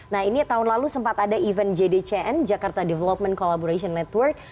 nah ini tahun lalu sempat ada event jdcn jakarta development collaboration network